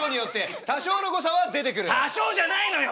多少じゃないのよ！